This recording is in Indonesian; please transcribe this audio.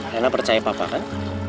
rena percaya papa kan